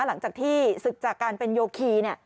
หลังจากที่ศึกจากการเป็นโยคี